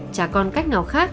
chả còn cách nào khác